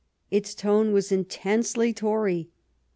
" Its tone was intensely Tory.